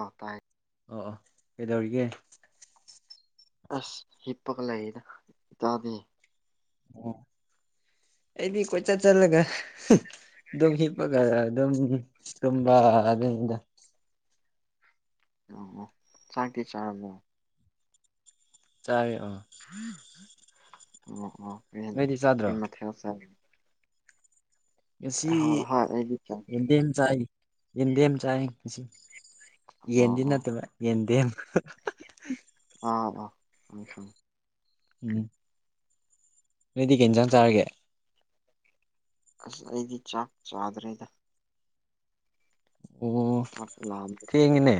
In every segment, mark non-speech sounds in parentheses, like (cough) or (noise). ꯑ ꯇꯥꯏ ꯑꯣ ꯑꯣ ꯀꯩꯗꯧꯔꯤꯒꯦ ꯑꯁ ꯍꯤꯄꯒ ꯂꯩꯗ ꯏ ꯇꯗꯤ ꯑꯣ ꯑꯩꯗꯤ ꯀꯣꯏꯆꯠ ꯆꯠꯂꯒ ꯑꯗꯨꯝ ꯍꯤꯞꯄꯒ ꯑꯗꯨꯝ ꯇꯨꯝꯕ ꯑꯗꯨꯝ ꯏꯗ ꯑ ꯆꯥꯛꯇꯤ ꯆꯥꯔꯝꯃꯣ ꯆꯥ ꯑꯣ ꯑꯣ ꯐ ꯐ ꯆꯥꯗ꯭ꯔꯣ ꯃꯊ ꯍꯧ ꯆ ꯉꯁꯤ ꯍꯣꯏ ꯍꯣꯏ ꯑꯩꯗꯤ ꯆꯥꯗ꯭ꯔꯤ ꯌꯦꯟꯗꯦꯝ ꯆꯥꯏ ꯌꯦꯟꯗꯦꯝ ꯆꯥꯏ ꯑꯣ ꯌꯦꯟꯗꯤ ꯑꯣ ꯅꯠꯇꯕ ꯌꯦꯟꯗꯦ ꯑꯕ ꯁ ꯁ ꯎꯝ ꯅꯗꯤ ꯀꯟꯖꯥꯡ ꯆꯥꯔꯒꯦ ꯑꯁ ꯑꯩꯗꯤ ꯆꯥꯛ ꯆꯥꯗ꯭ꯔꯦꯗ ꯑꯣ ꯂ ꯊꯦꯡꯉꯦꯅꯦ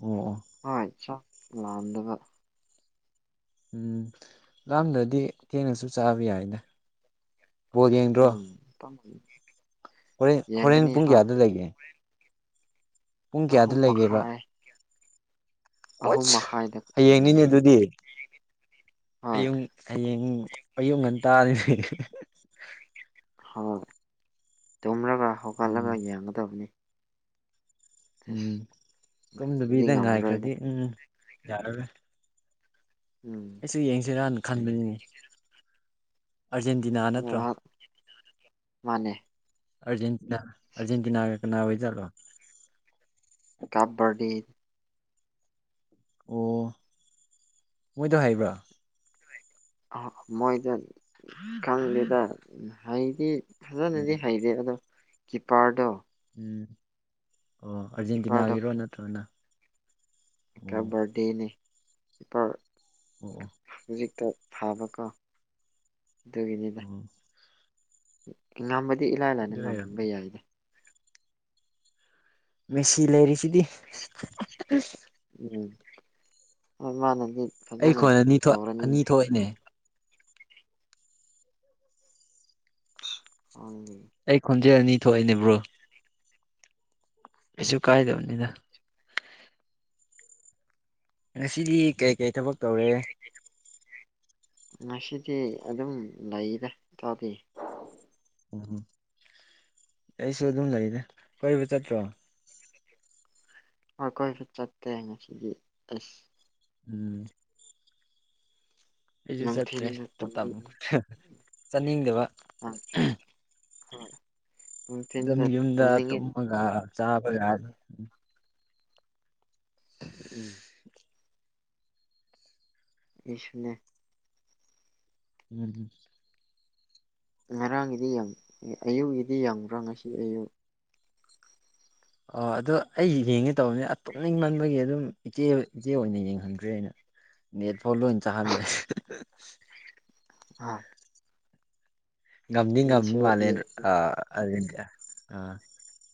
ꯑꯣ ꯑꯣ ꯑꯆꯥ ꯂꯥꯟꯗꯕ ꯎꯝ ꯂꯥꯝꯗꯗꯤ ꯊꯦꯡꯅꯁꯨ ꯆꯥꯕ ꯌꯥꯏꯅꯦ ꯎꯝ ꯇ ꯍꯣꯔꯦꯟ ꯍꯣꯔꯦꯟ ꯄꯨꯡ ꯀꯌꯥꯗ ꯂꯩꯒꯦ ꯄꯨꯡ ꯀꯌꯥꯗ ꯑꯍꯨꯝ ꯂꯩꯒꯦꯕ ꯃꯈꯥꯏ ꯑꯍꯨꯝ ꯑꯣꯁ ꯃꯈꯥꯏꯗ ꯍꯣꯏ ꯍꯌꯦꯡꯅꯤꯅꯦ ꯑꯗꯨꯗꯤ ꯑꯌꯨꯛ ꯍꯌꯦꯡ ꯑꯌꯨꯛ ꯉꯟꯇꯥꯥꯔꯤꯅꯦ ꯍꯣꯏ ꯇꯨꯝꯂꯒ ꯎꯝ ꯍꯧꯒꯠꯂꯒ ꯌꯦꯡꯒꯗꯕꯅꯤ ꯎꯝ ꯑꯁ ꯑꯗꯨꯗꯤ ꯇꯨꯝꯗꯕꯤꯗꯪ ꯉꯝꯃꯔꯣꯏꯕ ꯉꯥꯏꯈ꯭ꯔꯗꯤ ꯎꯝ ꯌꯥꯔꯔꯣꯏ ꯎꯝ ꯑꯩꯁꯨ ꯌꯦꯡꯁꯤꯔꯅ ꯈꯟꯕꯅꯤꯅꯦ ꯑꯥꯔꯖꯦꯟꯇꯤꯅꯥ ꯅꯠꯇ꯭ꯔꯣ ꯍꯣꯏ ꯃꯥꯅꯦ ꯑꯔꯖꯦꯟꯇꯤꯅꯥ ꯀꯅꯥ ꯑꯣꯏ ꯆꯂꯣ ꯀꯕꯥꯗꯤ ꯑꯣ ꯃꯣꯏꯗꯣ ꯍꯥꯏꯕ꯭ꯔꯥ ꯃꯣꯏꯗ ꯈꯪꯗꯦꯗ ꯍꯥꯏꯗꯤ ꯎꯝ ꯐꯖꯅꯗꯤ ꯍꯩꯇꯦ ꯑꯗꯣ ꯀꯤꯄꯔꯗꯣ ꯎꯝ ꯑꯣ ꯀꯤꯄꯔꯗꯣ ꯑꯥꯔꯖꯦꯟꯇꯤꯅꯥꯒꯤꯔꯣ ꯅꯠꯇ꯭ꯔꯒꯅ ꯑꯣ ꯀꯕꯔꯗꯦꯅꯤ ꯏꯄꯥ ꯑꯣ ꯍꯧꯖꯤꯛꯇ ꯐꯥꯕꯀꯣ ꯎꯝ ꯉꯝꯕꯗꯤ ꯏꯂꯥꯏ ꯂꯥꯏꯅ ꯑꯣꯏꯔꯝ ꯉꯝꯝꯕ ꯌꯥꯏꯗ ꯃꯦꯁꯤ ꯂꯩꯔꯤꯁꯤꯗꯤ ꯑ ꯃꯥꯅ ꯑꯩꯈꯣꯟ ꯑꯅꯤ ꯑꯅꯤ ꯊꯣꯛꯏꯅꯦ ꯈꯪꯗꯦ ꯑꯩ ꯈꯣꯟꯖꯦꯜ ꯑꯅꯤ ꯊꯣꯛꯑꯦꯅꯦꯕ꯭ꯔꯣ ꯄꯁꯨ ꯀꯥꯏꯗꯧꯅꯤꯗ ꯉꯁꯤꯗꯤ ꯀꯩꯀꯩ ꯊꯕꯛ ꯇꯧꯔꯦ ꯉꯁꯤꯗꯤ ꯑꯗꯨꯝ ꯂꯩꯔꯦ ꯇꯧꯗꯤ ꯎꯝ ꯑꯩꯁꯨ ꯑꯗꯨꯝ ꯂꯩꯅꯦ ꯀꯣꯏꯕꯨ ꯆꯠꯇ꯭ꯔꯣ ꯍꯈꯣꯏꯁꯨ ꯆꯠꯇꯦ ꯉꯁꯤꯗꯤ ꯑꯁ ꯎꯝ ꯑꯩꯁꯨ ꯆꯠꯇ꯭ꯔꯦ ꯅꯨꯡꯊꯤꯟꯗ ꯃꯇꯝ ꯇꯨꯝꯅꯤꯡꯉꯦ ꯆꯠꯅꯤꯡꯗꯕ ꯑ ꯍꯣꯏ ꯑꯗꯨꯝ ꯅꯨꯡꯊꯤꯟꯗ ꯌꯨꯝꯗ ꯇꯨꯝꯅꯤꯡꯉꯦ ꯇꯨꯝꯃꯒ ꯆꯥꯕꯒꯅꯤ ꯎꯝ ꯎꯝ ꯑꯩꯁꯤꯡꯅꯦ ꯎꯝꯝ ꯉꯔꯥꯡꯒꯤꯗꯤ ꯑꯌꯨꯛꯒꯤꯗꯤ ꯌꯥꯝꯕ꯭ꯔꯥ ꯉꯁꯤ ꯑꯌꯨꯛ ꯑꯣ ꯑꯗꯨꯗꯣ ꯑꯩ ꯌꯦꯡꯉꯦ ꯇꯧꯕꯅꯤ ꯇꯨꯝꯅꯤꯡ ꯃꯟꯕꯒꯤ ꯑꯗꯨꯝ ꯏꯆꯦ ꯏꯆꯦ ꯑꯣꯏꯅ ꯌꯦꯡꯍꯟꯗ꯭ꯔꯦ ꯑꯩꯅ ꯅꯦꯠ ꯐꯥꯎꯜ ꯆꯍꯜꯂꯦ (unintelligible) ꯉꯝꯗꯤ ꯉꯝ ꯑꯩꯁꯨ ꯃꯥꯂꯦ ꯑ ꯑꯗꯨꯗꯤ ꯑ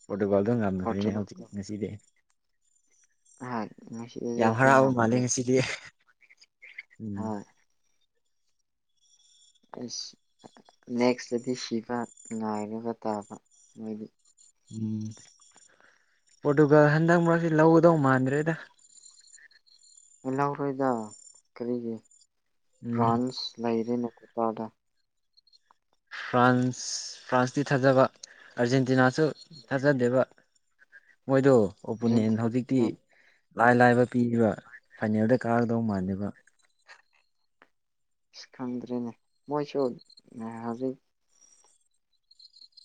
ꯄ꯭ꯔꯣꯇꯣꯀꯣꯜꯗꯣ ꯉꯝꯅꯈ꯭ꯔꯦꯅꯦ ꯍꯧꯖꯤꯛ ꯉꯁꯤꯗꯤ ꯍꯥꯏ ꯉꯁꯤ ꯑꯩ ꯌꯥꯝ ꯍꯧꯛꯇꯤ ꯍꯔꯥꯎꯕ ꯃꯥꯜꯂꯦ ꯉꯝꯈ꯭ꯔꯦ ꯉꯁꯤꯗꯤ ꯎꯝ ꯍꯣꯏ ꯑ ꯅꯦꯛꯁꯇꯗꯤ ꯁꯤꯕ ꯉꯥꯏꯔꯒ ꯇꯥꯕ ꯃꯣꯏꯗꯤ ꯎꯝ ꯄꯣꯔꯇꯨꯒꯥꯜ ꯍꯟꯗꯛ ꯃꯔꯛꯁꯤ ꯂꯧꯒꯗꯧ ꯃꯥꯟꯗ꯭ꯔꯦꯗ ꯎꯜꯍꯧꯔꯣꯏꯗ ꯀꯔꯤꯒꯤ ꯎꯝ ꯕ꯭ꯔꯥꯟꯁ ꯂꯩꯔꯤꯅꯣ ꯀꯇꯥ ꯐ꯭ꯔꯥꯟꯁ ꯐ꯭ꯔꯥꯟꯁꯇꯤ ꯊꯥꯖꯕ ꯑꯥꯔꯖꯦꯟꯇꯤꯅꯥꯁꯨ ꯊꯥꯖꯗꯦꯕ ꯃꯣꯏꯗꯣ ꯑꯣꯄꯣꯅꯦꯟ ꯑꯥꯔꯖꯦꯟꯇꯤꯅꯥ ꯍꯧꯖꯤꯛꯇꯤ ꯂꯥꯏ ꯂꯥꯏꯕ ꯄꯤꯔꯤꯕ ꯐꯥꯏꯅꯦꯜꯗ ꯀꯥꯗꯧ ꯃꯥꯥꯟꯂꯕ ꯈꯪꯗ꯭ꯔꯤꯅꯦ ꯃꯣꯏꯁꯨ ꯍꯧꯖꯤꯔꯤꯛ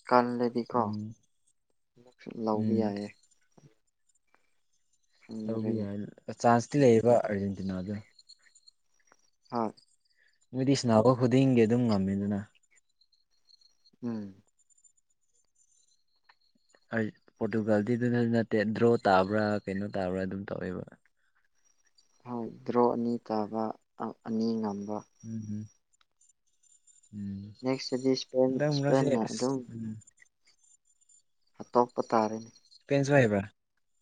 ꯀꯟꯗꯗꯤꯀꯣ ꯎꯝ ꯑꯃ ꯂꯧꯕ ꯎꯝ ꯌꯥꯏꯌꯦ ꯂꯧꯕ ꯈꯪꯗ꯭ꯔꯦꯅꯦ ꯌꯥꯏ ꯆꯥꯟꯁꯇꯤ ꯂꯩꯌꯦꯕ ꯑꯥꯔꯖꯦꯟꯇꯤꯅꯥꯗ ꯍꯣꯏ ꯃꯣꯏꯗꯤ ꯏꯁꯟꯅꯈ ꯈꯨꯗꯤꯡꯒꯤ ꯑꯗꯨꯝ ꯉꯝꯃꯦꯗꯅ ꯎꯝ ꯄꯣꯔꯇꯨꯒꯥꯜꯗꯤꯗꯨꯅꯁꯨ ꯅꯠꯇꯦ ꯗ꯭ꯔꯣ ꯇꯥꯕ꯭ꯔꯥ ꯀꯩꯅꯣ ꯇꯥꯕ꯭ꯔꯥ ꯑꯗꯨꯝ ꯇꯧꯋꯦꯕ ꯍꯣꯏ ꯗ꯭ꯔꯣ ꯑꯅꯤ ꯇꯥꯕ ꯑꯅꯤ ꯉꯝ ꯎꯝ ꯍꯝ ꯅꯦꯛꯁꯇꯗꯤ ꯏꯁꯄ ꯍꯟꯗꯛ ꯃꯔꯛꯁꯦ ꯏꯁꯄꯟꯅ ꯑꯁ ꯑꯗꯨꯝ ꯎꯝ ꯍꯥꯇꯣꯛꯄ ꯇꯥꯔꯦꯅꯦ (unintelligible)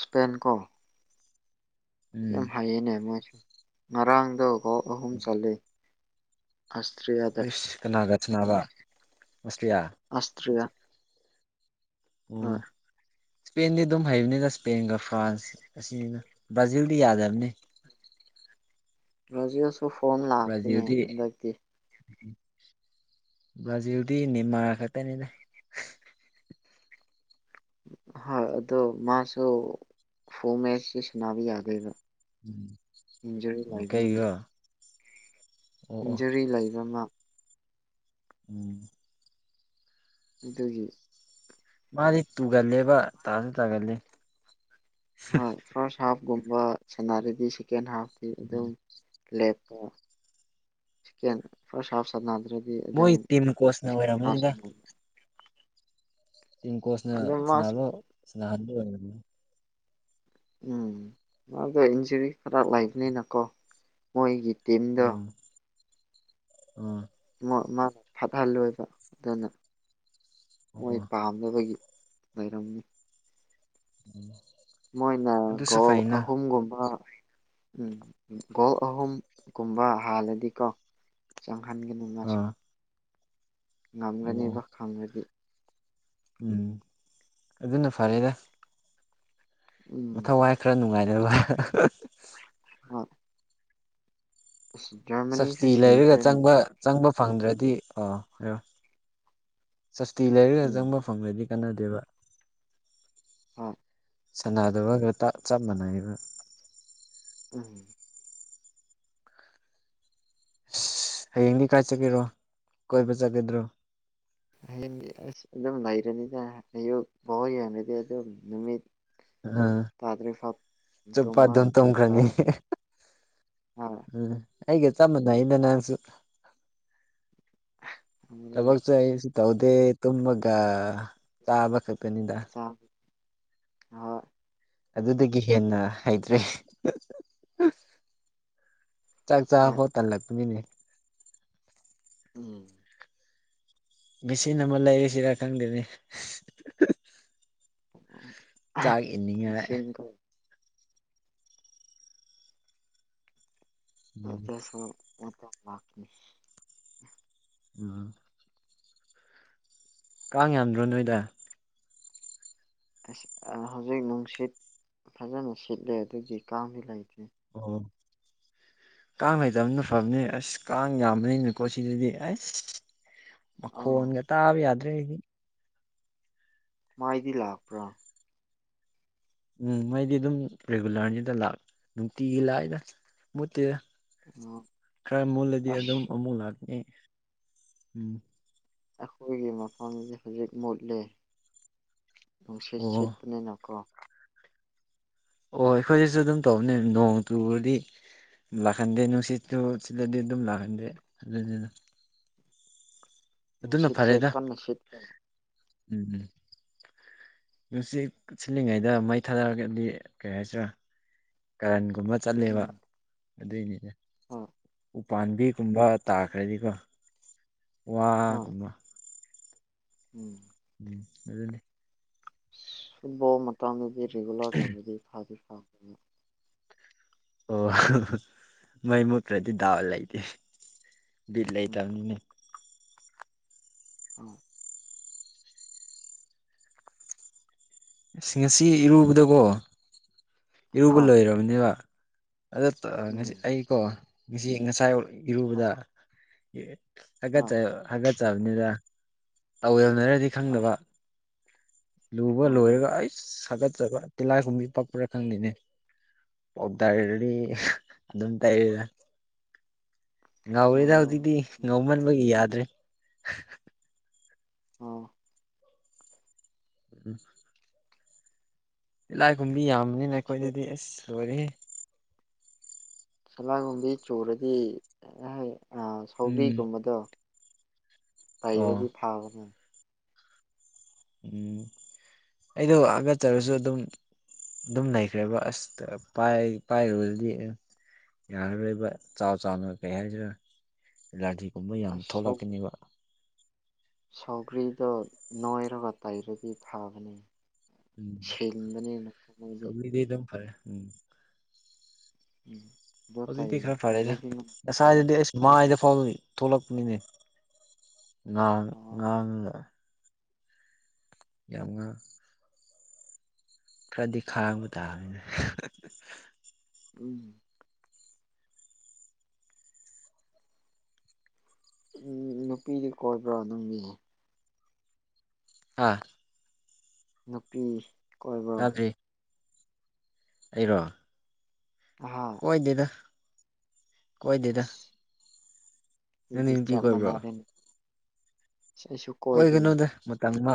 ꯁꯄꯦꯟ ꯀꯣ ꯎꯝ ꯌꯥꯝ ꯍꯥꯏꯌꯦꯅꯦ ꯃꯁꯨ ꯉꯔꯥꯡꯗꯣ ꯍꯥꯎ ꯑꯍꯨꯝ ꯆꯠꯂ ꯑꯣꯏꯁ ꯀꯅꯥꯒ ꯁꯅꯕ ꯃꯁꯂꯤꯂꯤꯌꯥ ꯑꯁꯇ꯭ꯔꯤꯌꯥ ꯑꯣ ꯍꯣꯏ ꯏꯁꯄꯦꯟꯗꯤ ꯑꯗꯨꯝ ꯍꯩꯕꯅꯤꯒ ꯏꯁꯄꯦꯟꯒ ꯐ꯭ꯔꯥꯟꯁ ꯑꯁꯤꯅꯤꯅ ꯕ꯭ꯔꯥꯖꯤꯜꯗꯤ ꯌꯥꯗꯕꯅꯤ (inaudible) ꯔꯣꯖꯤꯌꯁꯨ ꯐꯣꯝ ꯂꯥꯛꯇꯅꯦ ꯍꯟꯗꯛꯇꯤ ꯁꯤ ꯎꯗꯤꯤꯅꯤꯃ ꯈꯇꯅꯤꯗ ꯍꯣꯏ ꯑꯗꯣ ꯃꯥꯁꯨ ꯐꯣ ꯃꯁꯁꯤ ꯁꯕ ꯌꯥꯒꯕ꯭ꯔꯥ ꯎꯝ ꯑꯣ ꯀꯩꯒꯤ ꯏꯟꯖꯔꯤ ꯂꯩꯕ ꯑꯃ ꯎꯝ ꯑꯗꯨꯒꯤ ꯃꯥꯗꯤ ꯇꯨꯒꯜꯂꯦꯕ ꯇꯥꯁꯨ ꯇꯥꯒꯜꯂꯤ ꯍꯣꯏ ꯐꯥꯔꯁ ꯍꯥꯐꯀꯨꯝꯕ ꯁꯥꯟꯅꯔꯗꯤ ꯁꯦꯀꯦꯟ ꯍꯥꯐꯇꯤ ꯑꯗꯨꯝ ꯆ ꯐ ꯑꯗꯨꯗꯤ ꯑꯗꯨꯝ ꯃꯣꯏ ꯇꯤꯝ ꯀꯣꯆꯅ ꯍꯥ ꯑꯣꯏꯔꯝꯃꯅꯤꯗ ꯇꯝꯀꯣꯁꯅ ꯁꯅꯥ ꯃꯥꯁꯨ ꯂꯣ ꯁꯅꯍꯟꯗ ꯎꯝ ꯃꯥꯗꯣ ꯏꯟꯖꯨꯔꯤ ꯈꯔ ꯂꯩꯕꯅꯤꯅꯀꯣ ꯃꯣꯏꯒꯤ ꯇꯝꯗ ꯎꯝ ꯃꯥꯅ ꯐꯠꯍꯜꯂꯣꯏꯕ ꯑꯗꯨꯅ ꯑꯣ ꯃꯣꯏ ꯑꯣ ꯄꯥꯝꯅꯕꯒꯤ ꯥꯏꯔꯝꯅꯤ ꯎꯝ ꯃꯣꯏꯅ ꯒꯣ ꯑꯍꯨꯝꯒꯨꯝꯕ ꯎꯝ ꯒꯣꯜ ꯑꯍꯨꯝꯒꯨꯝꯕ ꯍꯥꯜꯂꯗꯤꯀꯣ ꯪ ꯍꯟꯒꯦ ꯅꯉꯁꯨꯦ ꯑꯥ ꯑꯣ ꯑꯣ ꯉꯝꯒꯅꯤꯕ ꯈꯪꯉꯗꯤ ꯎꯝ ꯑꯗꯨꯅ ꯐꯔꯦꯗ ꯎꯝ ꯃꯊꯧꯋꯥꯏ ꯈꯔ ꯅꯨꯡꯉꯥꯏꯗ ꯍꯣꯏ ꯑꯁ ꯖꯔꯃꯅꯤꯁꯨ ꯁꯞꯕꯁꯤꯗꯤ ꯂꯩꯔꯒ ꯁꯤꯈ꯭ꯔꯅꯤ ꯆꯪꯕ ꯆꯪꯕ ꯐꯪꯗ꯭ꯔꯗꯤ ꯑꯣ ꯍꯥꯏꯔꯣ ꯁꯞꯇꯤ ꯂꯩꯔꯒ ꯎꯝ ꯆꯪꯕ ꯐꯪꯗꯗꯤ ꯀꯅꯗꯦꯕ ꯎꯝ ꯁꯥꯟꯅꯗꯕꯒ ꯆꯞ ꯃꯥꯟꯅꯩꯕ ꯎꯝ ꯑꯁ ꯍꯌꯦꯡꯗꯤ ꯀꯥꯏ ꯆꯠꯀꯦꯔꯣ ꯀꯣꯏꯕ ꯆꯠꯒꯗ꯭ꯔꯣ ꯍꯌꯦꯡ ꯑꯁ ꯑꯗꯨꯝ ꯂꯩꯔꯅꯤꯅ ꯑꯌꯨꯛ ꯐꯥꯎ ꯌꯦꯡꯔꯗꯤ ꯑꯗꯨꯝ ꯅꯨꯃꯤꯠ ꯑꯝ ꯇꯥꯗ꯭ꯔꯤꯐꯥꯎ ꯆꯨꯞꯄ ꯇꯨꯝꯕ ꯑꯗꯨꯝ ꯇꯣꯡꯈ꯭ꯔꯅꯤ ꯇꯥꯔꯦ ꯍꯣꯏ ꯎꯝ ꯑꯩꯒ ꯆꯃꯅ ꯏꯩꯅ ꯅꯥꯡꯁꯨ ꯐꯪꯗ꯭ꯔꯦꯗ ꯊꯕꯛꯁꯦ ꯑꯩꯁꯨ ꯇꯧꯗꯦ ꯇꯨꯝꯃꯒ ꯆꯥꯕ ꯈꯄꯦꯅꯤꯗ ꯆꯥꯛ ꯍꯣꯏ ꯑꯗꯨꯗꯒꯤ ꯍꯦꯟꯅ ꯍꯩꯇ꯭ꯔꯦ ꯆꯥꯛ ꯍꯣꯏ ꯆꯥꯕꯐꯣꯠ ꯇꯜꯂꯛꯄꯅꯤꯅꯦ ꯎꯝ ꯃꯦꯆꯤꯟ ꯑꯃ ꯂꯩꯔꯤꯁꯤꯔ ꯈꯪꯗꯦꯅꯤ ꯀꯦ ꯎꯝ ꯆꯁꯨ ꯃ ꯂꯥꯛꯅꯤ ꯎ ꯀꯥꯡ ꯌꯥꯝꯗ꯭ꯔꯣ ꯅꯣꯏꯗ ꯑ ꯍꯧꯖꯤꯛ ꯅꯨꯡꯁꯤꯠ ꯐꯖꯅ ꯁꯤꯠꯂꯦ ꯑꯗꯨꯒꯤ ꯀꯥꯗꯤ ꯂꯩꯇ꯭ꯦ ꯑꯣ ꯀꯥꯡ ꯂꯩꯇꯕꯅ ꯐꯕꯅꯤ ꯑꯁ ꯀꯥꯡ ꯌꯥꯝꯕꯅꯤꯅꯀꯣ ꯁꯤꯗꯗꯤ ꯑꯁ ꯑꯥ ꯃꯈꯣꯟꯒ ꯇꯥꯕ ꯌꯥꯗ꯭ꯔꯦ ꯑꯩꯗꯤ ꯃꯥꯏꯗꯤ ꯂꯥꯛꯄ꯭ꯔꯥ ꯎꯝ ꯃꯩꯗꯤ ꯑꯗꯨꯝ ꯔꯤꯒꯨꯂꯔꯅꯤꯗ ꯂꯥꯛ ꯅꯨꯡꯇꯤꯒꯤ ꯂꯥꯛꯏꯗ ꯃꯨꯠꯇꯦꯗ ꯑꯣ, ꯈꯔ ꯃꯨꯜꯂꯗꯤ ꯑꯗꯨꯝ ꯑꯁ ꯑꯃꯨꯛ ꯂꯥꯛꯅꯤ ꯎꯝ ꯑꯩꯈꯣꯏꯒꯤ ꯃꯐꯝꯁ ꯍꯧꯖꯤꯛ ꯃꯨꯠꯂꯤꯦ ꯅꯨꯡꯁꯤꯠ ꯑꯣ ꯁꯦꯠꯄꯅꯤꯅ ꯀꯣ ꯑꯣ ꯑꯩꯈꯣꯏꯁꯤꯁꯨ ꯑꯗꯨꯝ ꯇꯧꯕꯅꯦ ꯅꯣꯡ ꯇꯨꯕꯗꯤ ꯂꯥꯛꯍꯟꯗꯦ ꯅꯨꯡꯁꯤꯠꯁꯨ ꯁꯤꯗꯗꯤ ꯑꯗꯨꯝ ꯂꯥꯛꯀꯟꯗꯦ ꯑꯗꯨ ꯁꯤꯠꯁꯦꯅꯁꯤꯠꯀ ꯎꯝ ꯎꯝ ꯅꯨꯡꯁꯤꯠ ꯁꯤꯜꯂꯤꯉꯩꯗ ꯃꯩ ꯊꯥꯗꯔꯒꯗꯤ ꯀꯩ ꯍꯥꯏꯁꯤꯔꯥ ꯀꯔꯟ ꯨꯝꯕ ꯆꯠꯂꯦꯕ ꯑꯗꯨꯏꯅꯤꯅꯦ ꯎ ꯎꯄꯥꯥꯟꯝꯕꯤꯒꯨꯝꯕ ꯇꯥꯈ꯭ꯔꯗꯤꯀꯣ ꯍꯣꯏ ꯋꯥꯒꯨꯝꯕ ꯎꯝ ꯎꯝ ꯑꯗꯨꯅꯤ ꯐꯨꯠꯕꯣꯜ ꯃꯇꯥꯡꯗꯨꯗꯤ ꯔꯤꯒꯨꯂꯔ ꯇꯧꯔꯗꯤ ꯐꯥꯗꯤ ꯐꯥꯗ ꯑꯣ ꯃꯥꯏꯃ ꯄ꯭ꯔꯗꯤ ꯗꯥꯥꯋꯥꯜ ꯂꯩꯏꯇ ꯕꯤꯜ ꯂꯩ ꯎꯝ ꯇꯅꯤ ꯑ ꯉꯁꯤ ꯏꯔꯨꯕꯗꯀꯣ ꯏꯔꯨꯕ ꯍꯣꯏ ꯂꯣꯏꯔꯕꯅꯦꯕ ꯑꯗ ꯉꯁꯤ ꯎꯝ ꯑꯩꯀꯣ ꯉꯁꯤ ꯉꯁꯥꯏ ꯍꯣꯏ ꯏꯔꯨꯕꯗ ꯍꯣꯏ ꯀꯠꯆ ꯍꯥꯀꯠꯆꯕꯅꯤꯗ ꯇꯧ ꯌꯧꯅꯔꯗꯤ ꯑꯁ ꯈꯪꯗꯕ ꯂꯨꯕ ꯑꯣ ꯂꯣꯏꯔꯒ ꯑꯩ ꯁꯥꯒꯠꯆꯕ ꯇꯤꯜꯍꯥꯏꯈꯨꯝꯕꯤ ꯄꯛꯄꯔꯥ ꯈꯪꯗꯦꯅꯦ ꯄꯞ ꯇꯔꯔꯤ ꯑꯗꯨꯝ ꯇꯔꯤꯗ ꯉꯥꯎꯔꯤꯦꯗ ꯑꯣ ꯍꯧꯖꯤꯛꯇꯤ ꯉꯥꯎꯃꯟꯕꯒꯤ ꯌꯥꯗ꯭ꯔꯦ ꯑꯣ ꯎꯝ ꯂꯥꯏ ꯀꯨꯝꯕꯤ ꯌꯥꯝꯕꯅꯤꯅ ꯑꯩꯈꯣꯏꯗꯗꯤ ꯑꯁ ꯁꯣꯔꯤ ꯁꯂꯥꯒꯨꯝꯕꯤ ꯆꯨꯔꯗꯤ ꯎꯝ ꯁꯧꯔꯤꯒꯨꯝꯕꯗꯣ ꯑꯣ ꯇꯥꯏꯔꯗꯤ ꯐꯥꯕꯅꯦ ꯎꯝ ꯑꯩꯗꯣ ꯍꯥꯒꯠꯆꯔꯁꯨ ꯑꯗꯨꯝ ꯑꯗꯨꯝ ꯂꯩꯈ꯭ꯔꯦꯕ ꯑꯁꯇ ꯄꯥꯏꯔꯨꯕꯗꯨꯗꯤ ꯌꯥꯔꯔꯣꯏꯕ ꯆꯥꯎ ꯆꯥꯎꯅ ꯀꯩ ꯍꯥꯏꯁꯤꯔ ꯨꯝꯕ ꯌꯥꯝ ꯑꯁ ꯊꯣꯛꯂꯛꯀꯅꯦꯕ ꯁꯧꯒ꯭ꯔꯤꯗꯣ ꯅꯣꯏꯔꯒ ꯇꯩꯔꯗꯤ ꯐꯕꯅꯤ ꯎꯝ ꯃꯣꯏꯗꯤ ꯁꯧꯂꯤꯗꯤꯗꯝ ꯐꯔꯦ ꯎꯝ ꯎꯝ ꯑꯗꯣ ꯍꯧꯖꯤꯛꯗꯤ ꯈꯔ ꯇꯩꯔꯗꯤ ꯐꯔꯦꯗꯁ ꯃꯥꯏꯗ ꯐꯥꯎꯗ ꯊꯣꯛꯂꯛꯄꯅꯤꯅꯦ ꯉꯥꯡ ꯑꯣ ꯉꯥꯡꯉꯒ ꯌꯥꯝꯉ ꯈꯔꯗꯤ ꯈꯥꯡꯕ ꯇꯥꯕꯅꯤꯅꯦ ꯎꯝ ꯎꯝ ꯅꯨꯄꯤꯗꯤ ꯀꯣꯏꯕ꯭ꯔꯥ ꯅꯪꯒꯤ ꯍꯥꯥ ꯅꯨꯄꯤ ꯀꯣꯏꯕ꯭ꯔꯣ ꯑꯗꯨ ꯑꯩꯔꯣ ꯑꯍꯥ ꯀꯣꯏ ꯗꯦꯗ ꯀꯣꯏꯗꯦꯗ ꯑꯁ ꯅꯪꯗꯤ ꯑꯗꯨꯗꯤ ꯅꯨꯄꯤ ꯆꯞ ꯀꯣꯏꯕ꯭ꯔꯣ ꯃꯅꯥꯔꯅꯤ ꯁꯤꯁꯨ ꯀꯣꯏꯗꯦ ꯇꯪꯃꯥ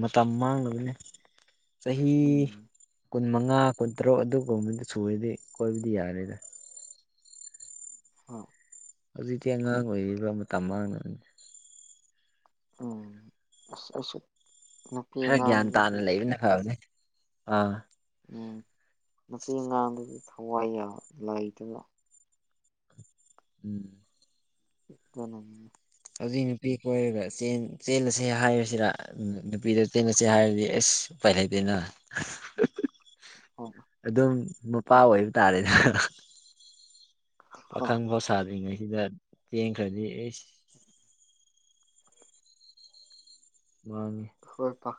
ꯃꯇꯝ ꯃꯥꯡꯅꯕꯅꯤ ꯆꯍꯤꯤ ꯎꯝ ꯀꯨꯟ ꯃꯉꯥ ꯀꯨꯟꯇꯔꯨꯛ ꯑꯗꯨꯒꯨꯝꯕꯗꯨ ꯁꯨꯔꯗꯤ ꯀꯣꯏꯕꯗꯤ ꯌꯥꯔꯦꯗ ꯍꯥ ꯍꯧꯖꯤꯛꯇꯤ ꯑꯉꯥꯡ ꯑꯣꯏꯔꯤꯕ ꯃꯇꯝ ꯃꯥꯡꯅꯕꯅꯤ ꯎꯝ ꯑꯁ ꯑꯩꯁꯨ ꯅꯨꯄꯤ ꯈꯔ ꯒ꯭ꯌꯥꯟ ꯇꯥꯅ ꯑꯉꯥꯡꯗꯨꯗꯤ ꯂꯩꯕꯅ ꯐꯕꯅꯤ ꯑꯥ ꯎꯝ ꯅꯨꯄꯤ ꯑꯉꯥꯡꯗꯗꯤ ꯊꯋꯥꯏ ꯌꯥ ꯂꯩꯇꯦꯗ ꯎꯝ ꯀꯅ ꯍꯧꯖꯤꯛ ꯅꯨꯄꯤ ꯀꯣꯏꯔꯒ ꯆꯦꯜꯂꯁꯦ ꯍꯥꯏꯔꯁꯤꯔ ꯅꯨꯄꯤꯗ ꯆꯦꯜꯂꯁꯦ ꯍꯥꯏꯔꯗꯤ ꯑꯦꯁ ꯎꯄꯥꯏ ꯂꯩꯗꯅ ꯍꯣꯏ ꯑꯗꯨꯝ ꯃꯄꯥ ꯑꯣꯏꯕ ꯇꯥꯔꯦꯅ ꯑꯈꯪꯕ ꯁꯥꯗ꯭ꯔꯤꯉꯩꯁꯤꯗ ꯆꯦꯡꯈ꯭ꯔꯗꯤ ꯑꯩ ꯃꯥꯡꯉꯤ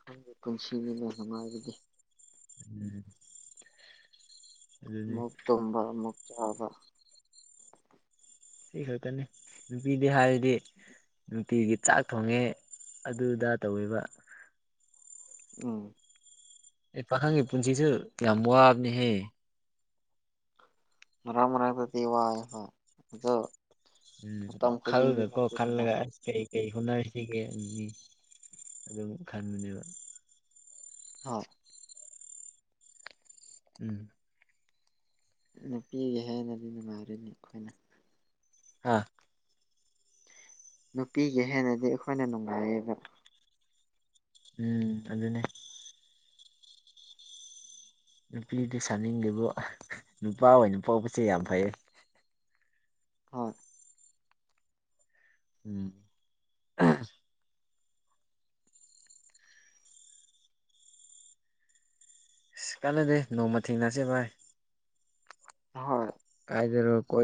ꯅꯪꯒꯤ ꯄꯨꯟꯁꯤꯅꯤꯅꯦ ꯅꯨꯡꯉꯥꯏꯕꯗꯤ ꯎꯝ ꯑꯗꯨꯅꯤ ꯑꯃꯨꯛ ꯇꯨꯝꯕ ꯑꯃꯨꯛ ꯆꯥꯕ ꯁꯤ ꯈꯛꯇꯅꯤ ꯅꯨꯄꯤꯗꯤ ꯍꯥꯏꯔꯗꯤ ꯅꯨꯡꯇꯤꯒꯤ ꯆꯥꯛ ꯊꯣꯡꯉꯦ ꯑꯗꯨꯗ ꯇꯧꯔꯤꯕ ꯎꯝ ꯑꯩ ꯄꯥꯈꯪꯒꯤ ꯄꯨꯟꯁꯤꯁꯨ ꯌꯥꯝ ꯋꯥꯕꯅꯤꯍꯦ ꯃꯔꯥꯡ ꯃꯔꯥꯡ ꯗꯇꯤ ꯋꯥꯏꯕ ꯑꯗꯣ ꯎꯝ ꯃꯇꯝ ꯈꯨꯗꯤꯡꯒꯤ ꯋꯥꯈꯜꯗꯀꯣ ꯅꯠꯇꯦꯗꯅ ꯈꯜꯂꯒ ꯑꯩ ꯀꯩ ꯍꯣꯠꯅꯔꯤꯁꯤꯒꯦ ꯑꯅꯤ ꯑꯗꯨꯝ ꯈꯟꯕꯅꯦꯕ ꯑ ꯎꯝ ꯅꯨꯄꯤꯒꯤ ꯍꯦꯟꯅꯗꯤ ꯅꯨꯡꯉꯥꯏꯔꯤꯅꯤ ꯑꯩꯈꯣꯏꯅ ꯍꯥꯥ ꯅꯨꯄꯤꯒꯤ ꯍꯦꯟꯅꯗꯤ ꯑꯩꯈꯣꯏꯅ ꯅꯨꯡꯉꯥꯏꯌꯦꯕ ꯎꯝ ꯑꯗꯨꯅꯦ ꯅꯨꯄꯤꯗꯤ ꯁꯥꯅꯤꯡꯂꯤꯕꯣ ꯅꯨꯄꯥ ꯑꯣꯏꯅ ꯄꯣꯛꯄꯁꯦ ꯌꯥꯝ ꯎꯝ ꯐꯩ ꯍꯣꯏ ꯎꯝ ꯏꯤꯁ ꯀꯥꯟꯅꯗꯦ ꯅꯣꯡꯃ ꯊꯦꯡꯅꯁꯦ ꯚꯥꯏ ꯍꯣꯏ ꯏꯗꯔꯣꯏ